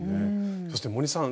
そして森さん